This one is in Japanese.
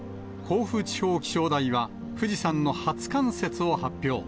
甲府地方気象台は、富士山の初冠雪を発表。